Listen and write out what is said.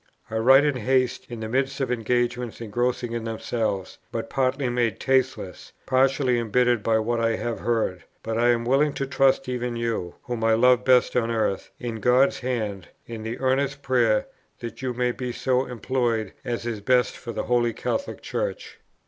I write in haste, in the midst of engagements engrossing in themselves, but partly made tasteless, partly embittered by what I have heard; but I am willing to trust even you, whom I love best on earth, in God's Hand, in the earnest prayer that you may be so employed as is best for the Holy Catholic Church."